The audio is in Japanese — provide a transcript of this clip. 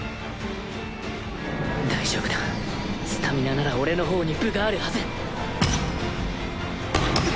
大丈夫だスタミナなら俺の方に分があるはず